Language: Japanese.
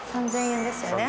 ３，０００円ですよね？